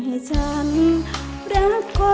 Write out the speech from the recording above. หุ้นสู่เอ็มสู้